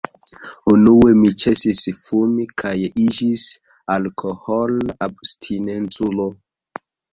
Unue mi ĉesis fumi kaj iĝis alkohol-abstinenculo.